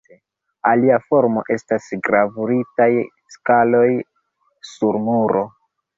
Alia formo estas gravuritaj skaloj sur muro.